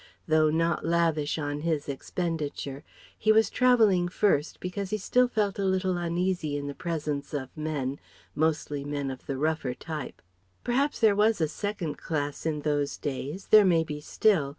Though not lavish on his expenditure he was travelling first because he still felt a little uneasy in the presence of men mostly men of the rougher type. Perhaps there was a second class in those days; there may be still.